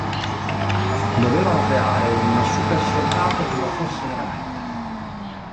Dovevano creare un supersoldato che lo fosse veramente.